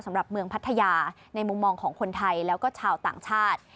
เมืองพัทยาในมุมมองของคนไทยแล้วก็ชาวต่างชาติ